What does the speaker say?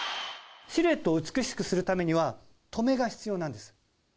シルエットを美しくするためには「止め」が必要なんです。